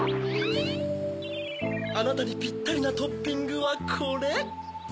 あなたにぴったりなトッピングはこれ！